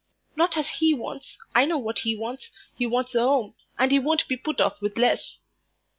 "Not as he wants. I know what he wants; he wants a 'ome, and he won't be put off with less."